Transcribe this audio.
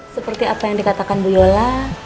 seperti apa yang dikatakan bu yola